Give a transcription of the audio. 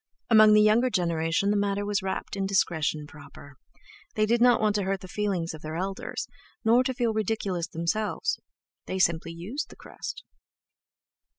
Among the younger generation the matter was wrapped in a discretion proper. They did not want to hurt the feelings of their elders, nor to feel ridiculous themselves; they simply used the crest....